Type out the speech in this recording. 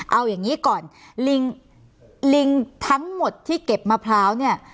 เอาอย่างนี้ก่อนลิงลิงทั้งหมดที่เก็บมะพร้าวเนี่ย